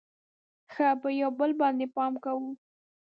ښه به یو بل باندې پام کوو.